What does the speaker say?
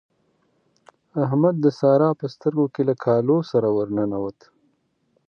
احمد د سارا په سترګو کې له کالو سره ور ننوت.